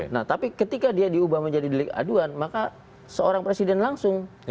nah tapi ketika dia diubah menjadi delik aduan maka seorang presiden langsung